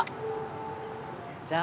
じゃあ。